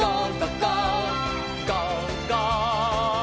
「ゴーゴー！」